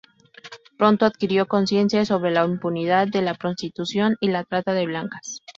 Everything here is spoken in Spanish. Pronto adquirió conciencia sobre la impunidad de la prostitución y la trata de blancas.